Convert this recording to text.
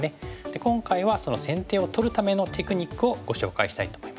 今回は先手を取るためのテクニックをご紹介したいと思います。